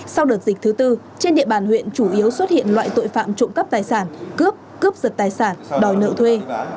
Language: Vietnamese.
sau đợt dịch thứ tư trên địa bàn huyện chủ yếu xuất hiện loại tội phạm trộm cắp tài sản cướp cướp giật tài sản đòi nợ thuê